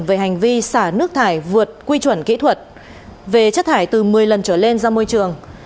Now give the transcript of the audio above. về hành vi xả nước thải vượt quy chuẩn kỹ thuật về chất thải từ một mươi lần trở lên ra môi trường